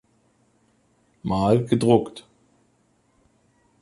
Mahl gedruckt.